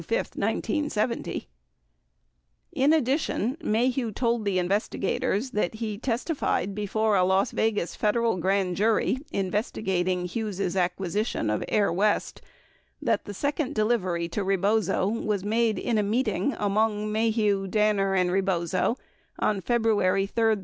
18 In addition, Maheu told the investigators that he testified before a Las Vegas Federal grand jury investigating Hughes' acquisition of Air West that the second delivery to Rebozo was made in a meeting among Maheu, Danner, and Rebozo on February 3 5, 1970.